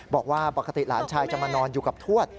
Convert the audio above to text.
บอกว่าปกติหลานชายจะมานอนอยู่กับทวด